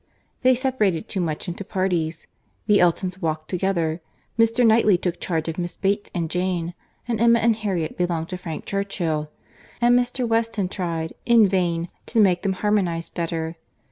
They separated too much into parties. The Eltons walked together; Mr. Knightley took charge of Miss Bates and Jane; and Emma and Harriet belonged to Frank Churchill. And Mr. Weston tried, in vain, to make them harmonise better.